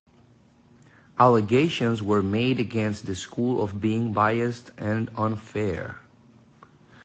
Allegations were made against the school of being biased and "unfair".